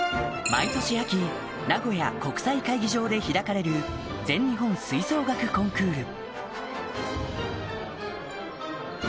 毎年秋名古屋国際会議場で開かれる全日本吹奏楽コンクール